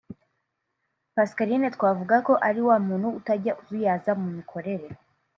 Pascaline twavuga ko ari wa muntu utajya azuyaza mu mikorere